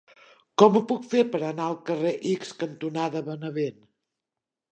Com ho puc fer per anar al carrer X cantonada Benavent?